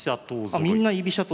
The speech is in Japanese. あみんな居飛車党。